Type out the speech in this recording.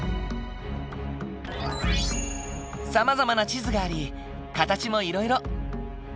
さまざまな地図があり形もいろいろ。